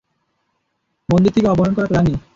মন্দির থেকে অপহরণ করা প্ল্যান এ।